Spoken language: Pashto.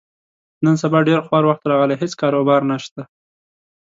نن سبا ډېر خوار وخت راغلی، هېڅ کاروبار نشته.